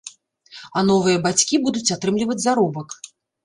А новыя бацькі будуць атрымліваць заробак.